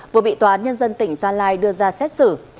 vừa bị tòa án nhân dân tỉnh gia lai đưa ra xét xử